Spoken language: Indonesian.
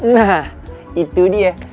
nah itu dia